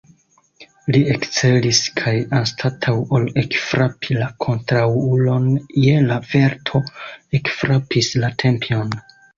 Li ekcelis kaj, anstataŭ ol ekfrapi la kontraŭulon je la verto, ekfrapis la tempion.